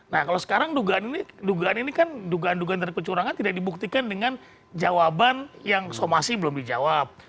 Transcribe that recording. nah kalau sekarang dugaan ini kan dugaan dugaan dari kecurangan tidak dibuktikan dengan jawaban yang somasi belum dijawab